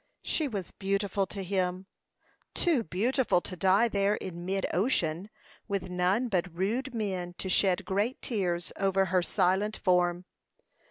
She was beautiful to him too beautiful to die there in mid ocean, with none but rude men to shed great tears over her silent form.